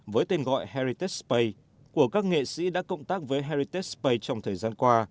với tên gọi heritage space của các nghệ sĩ đã cộng tác với heritage space trong thời gian qua